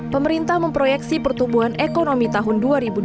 pemerintah memproyeksi pertumbuhan ekonomi tahun dua ribu dua puluh